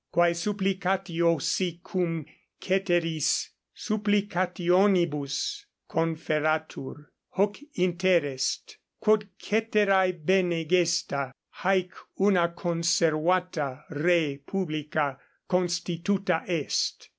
Quae supplicatio si cum ceteris [supplicationibus] conferatur, hoc interest, quod ceterae bene gesta, haec una conservata re publica constituta est.